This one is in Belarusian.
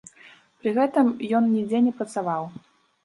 Пры гэтым ён нідзе не працаваў.